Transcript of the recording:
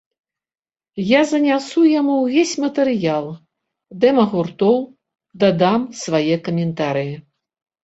Я занясу яму ўвесь матэрыял, дэма гуртоў, дадам свае каментарыі.